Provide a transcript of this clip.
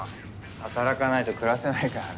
働かないと暮らせないからね。